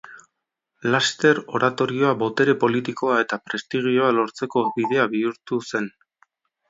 Laster oratoria botere politikoa eta prestigioa lortzeko bidea bihurtu zen.